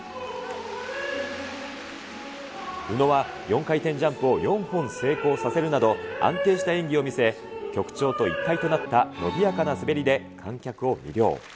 宇野は４回転ジャンプを４本成功させるなど、安定した演技を見せ、曲調と一体となった伸びやかな滑りで観客を魅了。